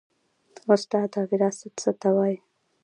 استاده وراثت څه ته وایي